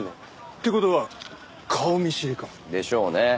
って事は顔見知りか？でしょうね。